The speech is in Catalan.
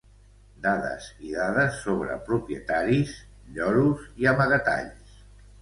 Dades i dades sobre propietaris, lloros i amagatalls.